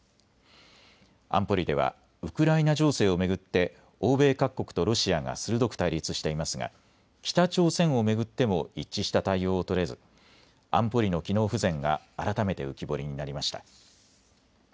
安保理ではウクライナ情勢を巡って欧米各国とロシアが鋭く対立していますが、北朝鮮を巡っても一致した対応を取れず、安保理の機能不全が改めて浮き彫りになりました。